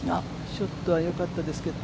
ショットはよかったですけど。